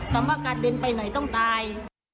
ถามว่าการเดินไปไหนต้องตาย